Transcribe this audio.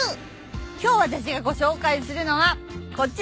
今日私がご紹介するのはこちらです。